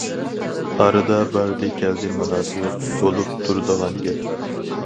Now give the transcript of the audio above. ئارىدا باردى- كەلدى مۇناسىۋەت بولۇپ تۇرىدىغان گەپ.